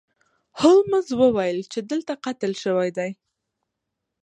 هولمز وویل چې دلته قتل شوی دی.